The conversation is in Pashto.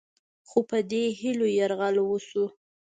خو په دې هیلو یرغل وشو